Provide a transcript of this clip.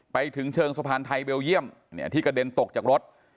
ไปถึงเชิงสะพานไทยเบลเยี่ยมที่กระเด็นตกจากรถ